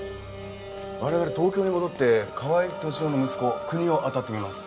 我々東京に戻って河合敏夫の息子久仁雄を当たってみます。